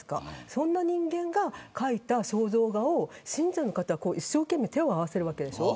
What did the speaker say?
そんな人間が描いた肖像画を信者の方は一生懸命手を合わせるわけでしょ。